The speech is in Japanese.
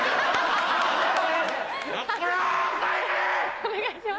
お願いします。